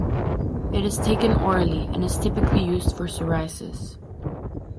It is taken orally, and is typically used for psoriasis.